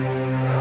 ya udah om baik